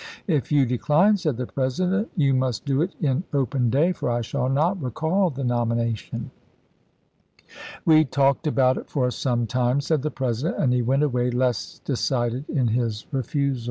If you decline," said the President, " you must do it in open day, for I shall not recall the nomination." " We talked about it for some time," said the President, " and he went away less decided in his refusal."